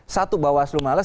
satu bawaslu males